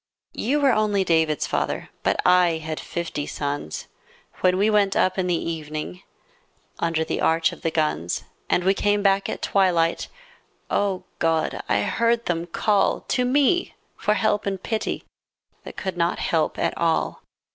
You were, only David's father, But I had fifty sons When we went up in the evening Under the arch of the guns, And we came back at twilight — O God ! I heard them call To me for help and pity That could not help at all.